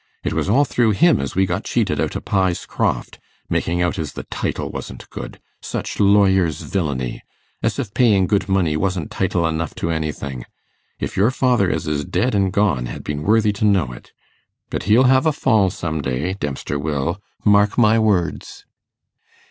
It was all through him as we got cheated out o' Pye's Croft, making out as the title wasn't good. Such lawyer's villany! As if paying good money wasn't title enough to anything. If your father as is dead and gone had been worthy to know it! But he'll have a fall some day, Dempster will. Mark my words.